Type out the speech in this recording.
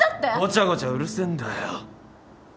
ごちゃごちゃうるせえんだよ。